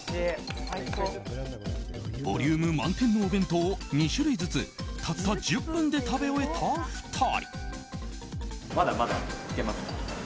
ボリューム満点のお弁当を２種類ずつたった１０分で食べ終えた２人。